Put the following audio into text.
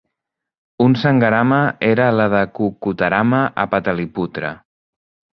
Un sangharama era la de Kukkutarama a Pataliputra.